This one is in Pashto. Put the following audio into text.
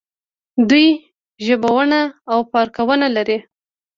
دوی ژوبڼونه او پارکونه لري.